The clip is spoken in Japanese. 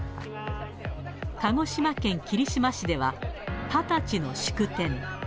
鹿児島県霧島市では、二十歳の祝典。